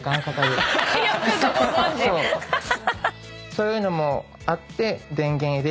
そういうのもあって。